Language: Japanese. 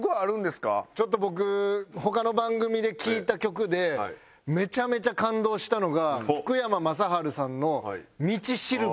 ちょっと僕他の番組で聴いた曲でめちゃめちゃ感動したのが。